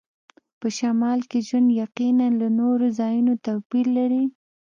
په شمال کې ژوند یقیناً له نورو ځایونو توپیر لري